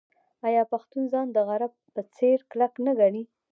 آیا پښتون ځان د غره په څیر کلک نه ګڼي؟